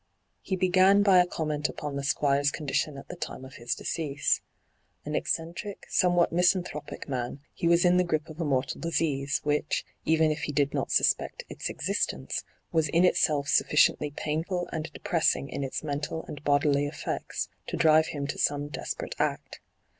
He began by a comment upon the Squire's condition at the time of his decease. An eccentric, somewhat misanthropic man, he was in the grip of a mortal disease, which, even if he did not suspect its existence, was in itself sufficiently painful and depressing in its mental and bodily effects to drive him to some desperate act.